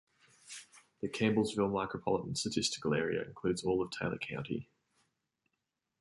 The Campbellsville Micropolitan Statistical Area includes all of Taylor County.